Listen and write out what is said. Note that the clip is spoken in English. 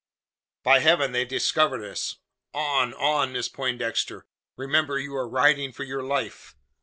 "By heaven they've discovered us! On on! Miss Poindexter! Remember you are riding for your life!"